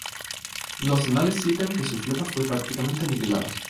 Los anales citan que su flota fue prácticamente aniquilada.